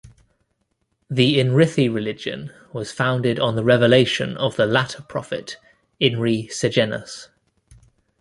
The Inrithi religion was founded on the revelation of the Latter Prophet, Inri Sejenus.